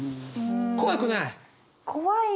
怖くない？